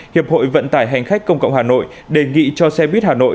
hiệp hội vận tải hành khách công cộng hà nội đề nghị cho xe buýt hà nội